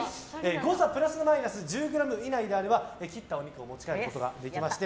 誤差プラスマイナス１０ｇ以内であれば切ったお肉を持ち帰ることができまして